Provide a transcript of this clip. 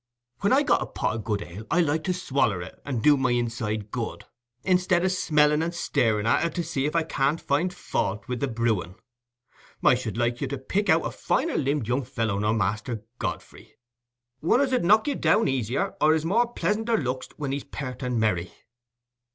"When I've got a pot o' good ale, I like to swaller it, and do my inside good, i'stead o' smelling and staring at it to see if I can't find faut wi' the brewing. I should like you to pick me out a finer limbed young fellow nor Master Godfrey—one as 'ud knock you down easier, or 's more pleasanter looksed when he's piert and merry."